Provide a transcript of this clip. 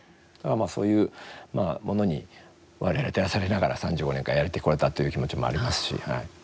そういうものに我々は照らされながら３５年間やれてこれたという気持ちもありますし、はい。